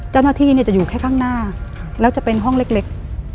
เจ้าหน้าที่จะอยู่แค่ข้างหน้าแล้วจะเป็นห้องเล็ก